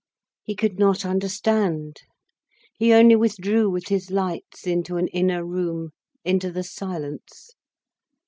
He could not understand. He only withdrew with his lights into an inner room, into the silence.